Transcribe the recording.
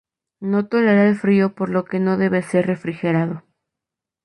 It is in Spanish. No tolera el frío por lo que no debe ser refrigerado.